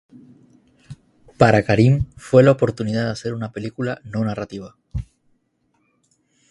Para Karim fue la oportunidad de hacer una película no narrativa.